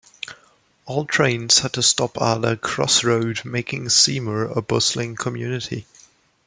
All trains had to stop at a crossroad, making Seymour a bustling community.